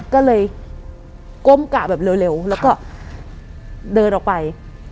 ก็เลยก้มกะแบบเร็วแล้วก็เดินออกไป